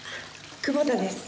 久保田です。